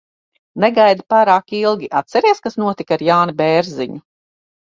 Negaidi pārāk ilgi. Atceries, kas notika ar Jāni Bērziņu?